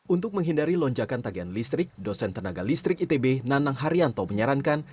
untuk menghindari lonjakan tagihan listrik dosen tenaga listrik itb nanang haryanto menyarankan